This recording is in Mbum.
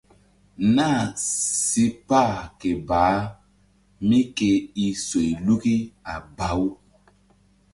Na si kpah ke baah mí ke i soyluki a baw.